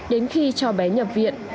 đến khi cho bé nhập viện